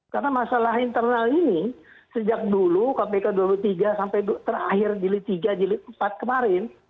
karena masalah internal ini sejak dulu kpk dua puluh tiga sampai terakhir jilid tiga jilid empat kemarin